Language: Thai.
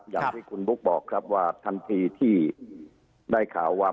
อย่างที่คุณบุ๊คบอกครับว่าทันทีที่ได้ข่าวว่า